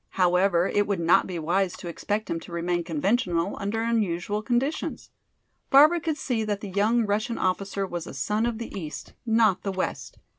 However, it would not be wise to expect him to remain conventional under unusual conditions. Barbara could see that the young Russian officer was a son of the east, not the west.